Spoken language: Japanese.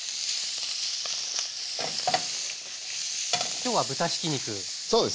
今日は豚ひき肉ですね。